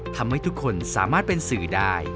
ทำให้ทุกคนสามารถเป็นสื่อได้